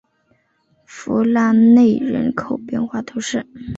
弗拉内人口变化图示